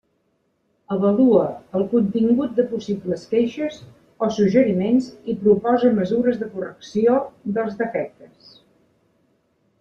Avalua el contingut de possibles queixes o suggeriments i proposa mesures de correcció dels defectes.